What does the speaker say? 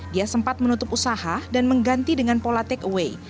dia sempat menutup usaha dan mengganti dengan pola take away